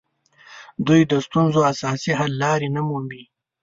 دوی د ستونزو اساسي حل لارې نه مومي